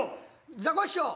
ザコシショウ！